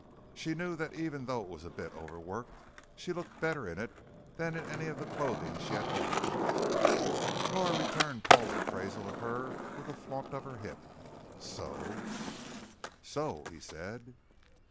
She knew that even though it was a bit overworked, she looked better in it than in any of the clothing she had borrowed. Nora returned Paul's appraisal of her with a flaunt of her hip. "So?" "So!" he said.